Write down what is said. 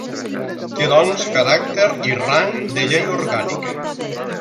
Té, doncs, caràcter i rang de llei orgànica.